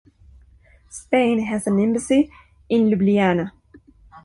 Spain has an embassy in Ljubljana.